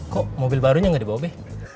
kok mobil barunya gak dibawa be